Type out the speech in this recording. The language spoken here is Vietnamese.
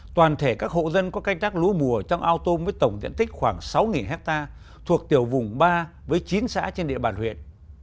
toàn thể các hộ dân có canh tác lúa mùa trong ao tôm với tổng diện tích khoảng sáu ha thuộc tiểu vùng ba với chín xã trên địa bàn huyện